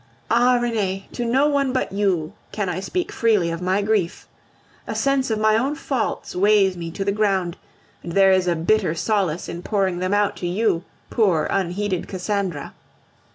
Ah! Renee, to no one but you can I speak freely of my grief. A sense of my own faults weighs me to the ground, and there is a bitter solace in pouring them out to you, poor, unheeded Cassandra.